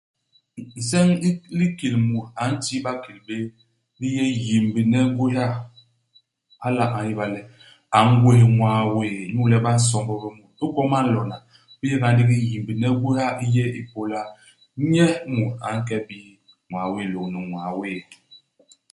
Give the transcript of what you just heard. Nseñ i u likil mut a nti bakil béé u yé yimbne i gwéha. Hala a ñéba le a ngwés ñwaa wéé. Inyu le ba nsomb bé mut. Igwom a nlona, bi yé nga ndigi yimbne i gwéha i yé ipôla nye imut a nke i bii ñwaa wéé lôñni ñwaa wéé.